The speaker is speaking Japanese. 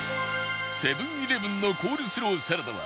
セブン−イレブンのコールスローサラダは